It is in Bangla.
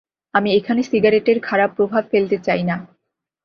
আমি এখানে সিগারেটের খারাপ প্রভাব ফেলতে চাই না।